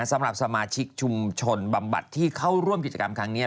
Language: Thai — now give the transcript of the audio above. สำหรับสมาชิกชุมชนบำบัดที่เข้าร่วมกิจกรรมครั้งนี้